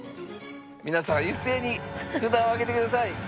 皆さん一斉に札を上げてください。